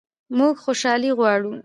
موږ خوشحالي غواړو